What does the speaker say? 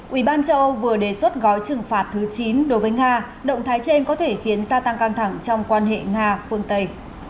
ủy ban châu âu vừa đề xuất gói trừng phạt thứ chín đối với nga động thái trên có thể khiến gia tăng căng thẳng trong quan hệ nga phương tây